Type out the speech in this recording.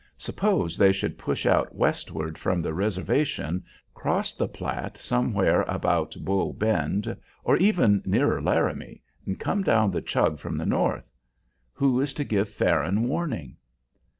Suppose they should push out westward from the reservation, cross the Platte somewhere about Bull Bend or even nearer Laramie, and come down the Chug from the north. Who is to give Farron warning?"